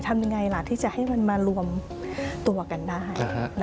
ทำยังไงล่ะที่จะให้มันมารวมตัวกันได้